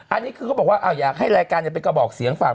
อันนี้คือเขาบอกว่าอยากให้รายการเป็นกระบอกเสียงฝาก